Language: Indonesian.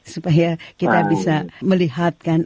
supaya kita bisa melihatkan